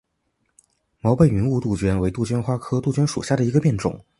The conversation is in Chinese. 毛背云雾杜鹃为杜鹃花科杜鹃属下的一个变种。